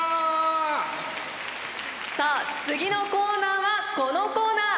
さあ次のコーナーはこのコーナー。